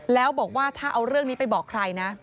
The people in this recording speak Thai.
แล้วบอกว่าถ้าเอาเรื่องนี้ไปบอกใครนะ